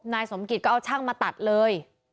สมกิจก็เอาช่างมาตัดเลย